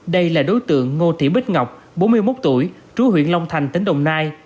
đây là đối tượng ngô thị bích ngọc bốn mươi một tuổi trú huyện long thành tỉnh đồng nai